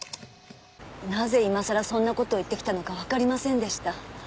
なぜ今さらそんな事を言ってきたのかわかりませんでした。